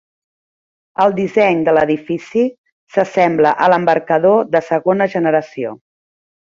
El disseny de l'edifici s'assembla a l'embarcador de segona generació.